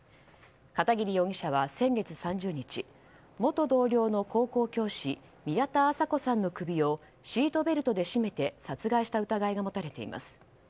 片桐容疑者は、先月３０日元同僚の高校教師宮田麻子さんの首をシートベルトで絞めて殺害した疑いが持たれています。